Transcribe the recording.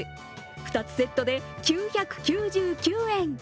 ２つセットで９９９円。